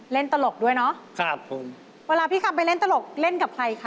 เล่นตลกด้วยเนอะครับ